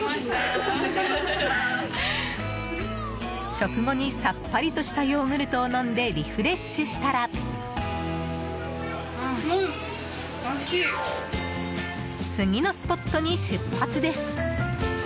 食後に、さっぱりとしたヨーグルトを飲んでリフレッシュしたら次のスポットに出発です。